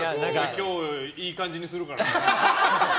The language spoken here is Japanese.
今日いい感じにするからね。